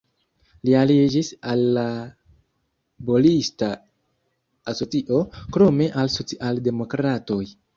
Li aliĝis al laborista asocio, krome al socialdemokratoj.